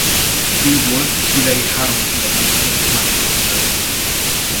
Ő volt szülei három fia közül a másodszülött.